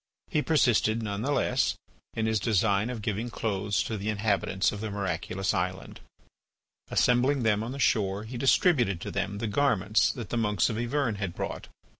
He persisted, none the less, in his design of giving clothes to the inhabitants of the miraculous island. Assembling them on the shore, he distributed to them the garments that the monks of Yvern had brought.